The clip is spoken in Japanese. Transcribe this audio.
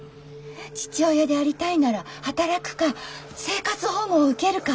父親でありたいなら働くか生活保護を受けるか。